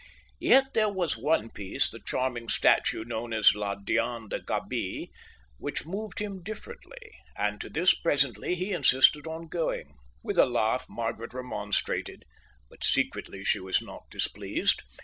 Yet there was one piece, the charming statue known as La Diane de Gabies, which moved him differently, and to this presently he insisted on going. With a laugh Margaret remonstrated, but secretly she was not displeased.